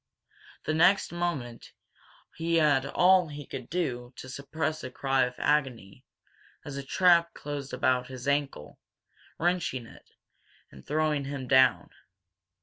The next moment he had all he could do to suppress a cry of agony as a trap closed about his ankle, wrenching it, and throwing him down.